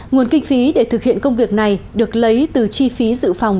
nguồn kinh phí để thực hiện công việc này được lấy từ chi phí dự phòng